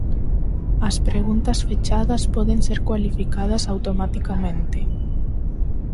As preguntas fechadas poden ser cualificadas automaticamente.